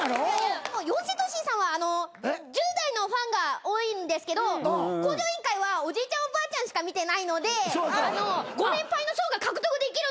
四千頭身さんは１０代のファンが多いんですけど『向上委員会』はおじいちゃんおばあちゃんしか見てないのでご年配の層が獲得できるんですよ。